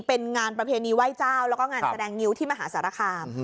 เป็นงานประเพณีไหว้เจ้าแล้วก็งานแสดงงิ้วที่มหาสารคาม